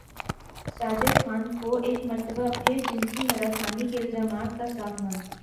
ساجد خان کو ایک مرتبہ پھر جنسی ہراسانی کے الزامات کا سامنا